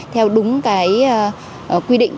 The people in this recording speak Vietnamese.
theo đúng cái quy định